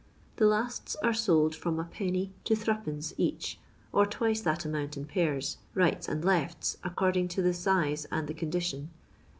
The ksts are sold itom \d. to M. each, or twice that amount in pairs, "rights and lefts," accord ing to the sife and the condition.